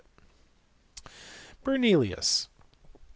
Bernelinus.